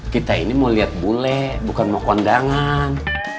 kita ini mau lihat bule bukan mau kondangan